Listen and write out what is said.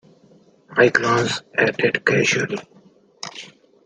I glanced at it casually.